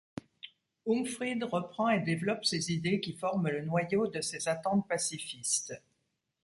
Umfrid reprend et développe ces idées qui forment le noyau de ses attentes pacifistes.